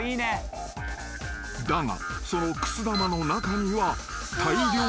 ［だがそのくす玉の中には大量の虫］